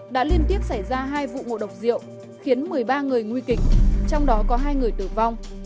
đã liên tiếp xảy ra hai vụ ngộ độc rượu khiến một mươi ba người nguy kịch trong đó có hai người tử vong